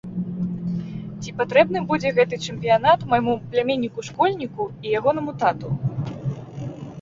Ці патрэбны будзе гэты чэмпіянат майму пляменніку-школьніку і ягонаму тату?